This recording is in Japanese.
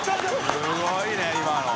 すごいね今の。）